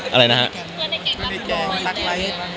อะไรนะฮะ